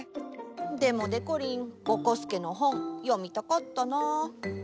でもでこりんぼこすけの本読みたかったな。